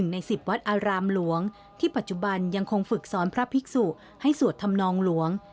ใน๑๐วัดอารามหลวงที่ปัจจุบันยังคงฝึกสอนพระภิกษุให้สวดธรรมนองหลวง